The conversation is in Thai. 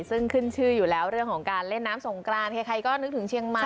ซึ่งขึ้นชื่ออยู่แล้วเรื่องของการเล่นน้ำสงกรานใครก็นึกถึงเชียงใหม่